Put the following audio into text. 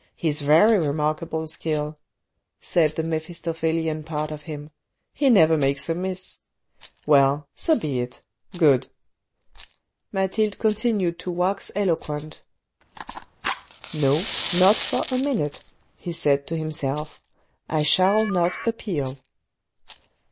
his very remark able skill," said the Mephistophelian part of him ;" he never makes a miss. Well, so be it — good." (Mathilde continued to wax eloquent). " No, not for a minute," he said to himself, " I shall not appeal."